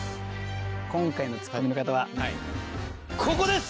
今回のツッコミの方はここです。